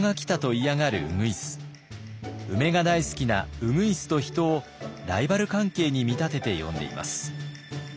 梅が大好きな鶯と人をライバル関係に見立てて詠んでいます。